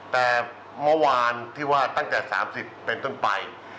แต่เมื่อวานที่ว่าตั้งแต่๓๐เป็นต้นไป